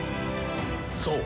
そう！